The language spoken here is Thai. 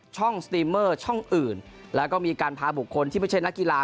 สตรีมเมอร์ช่องอื่นแล้วก็มีการพาบุคคลที่ไม่ใช่นักกีฬา